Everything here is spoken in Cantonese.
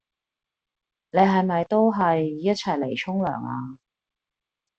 你係咪都係一齊嚟沖涼呀？